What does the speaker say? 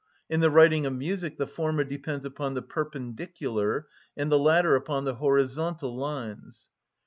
In the writing of music the former depends upon the perpendicular, and the latter upon the horizontal lines.